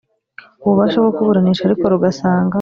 Ububasha bwo kuburanisha ariko rugasanga